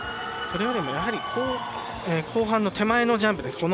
それよりも後半の手前のジャンプ。